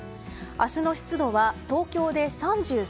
明日の湿度は東京で３３％